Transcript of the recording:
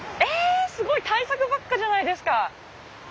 すごい大作ばっかじゃないですか！